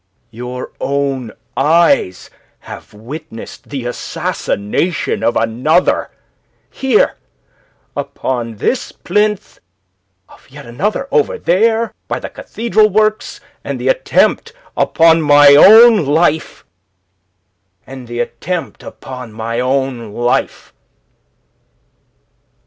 Your own eyes have witnessed the assassination of another here upon this plinth, of yet another over there by the cathedral works, and the attempt upon my own life.